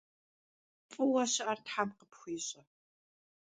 F'ıue şı'er them khıpxuiş'e!